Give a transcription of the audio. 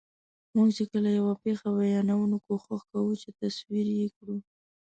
موږ چې کله یوه پېښه بیانوو، نو کوښښ کوو چې تصویري یې کړو.